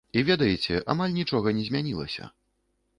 І ведаеце, амаль нічога не змянілася.